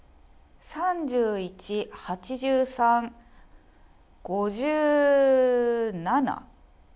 ３１、８３、５７？